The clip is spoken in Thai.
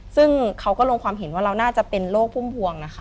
ซึ่งเขาก็ลงความเห็นว่าเราน่าจะเป็นโรคพุ่มพวงนะคะ